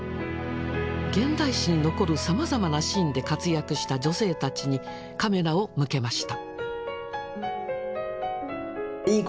現代史に残るさまざまなシーンで活躍した女性たちにカメラを向けました。